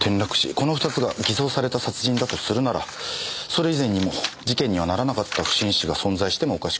この２つが偽装された殺人だとするならそれ以前にも事件にはならなかった不審死が存在してもおかしくない。